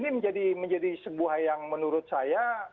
ini menjadi sebuah yang menurut saya